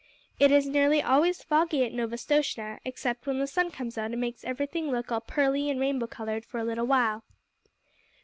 It is nearly always foggy at Novastoshnah, except when the sun comes out and makes everything look all pearly and rainbow colored for a little while.